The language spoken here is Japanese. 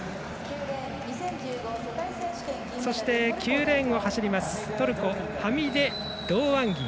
そして、９レーンを走りますトルコ、ハミデ・ドーアンギン。